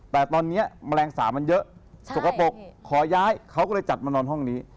แต่ตอนนี้แมลงสาปมันเยอะสกปรกขอย้ายเขาก็เลยจัดมานอนห้องนี้